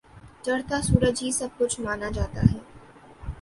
چڑھتا سورج ہی سب کچھ مانا جاتا ہے۔